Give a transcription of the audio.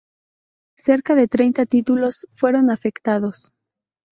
Cerca de treinta títulos fueron afectados.